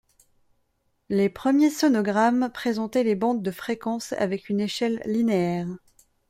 Les premiers sonagrammes présentaient les bandes de fréquences avec une échelle linéaire.